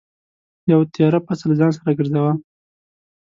یوه تېره پڅه له ځان سره ګرځوه.